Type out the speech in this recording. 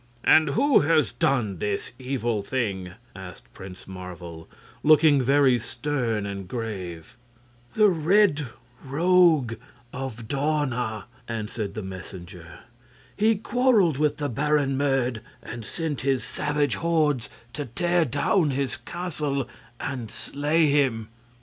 "And who has done this evil thing?" asked Prince Marvel, looking very stern and grave. "The Red Rogue of Dawna," answered the messenger. "He quarreled with the Baron Merd and sent his savage hordes to tear down his castle and slay him.